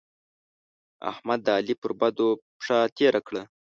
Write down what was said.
احمد؛ د علي پر بدو پښه تېره کړه.